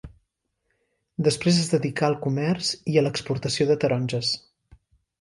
Després es dedicà al comerç i a l'exportació de taronges.